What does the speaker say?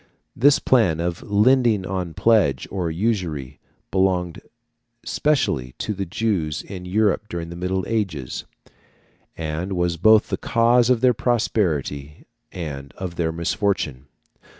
This plan of lending on pledge, or usury, belonged specially to the Jews in Europe during the Middle Ages, and was both the cause of their prosperity and of their misfortune.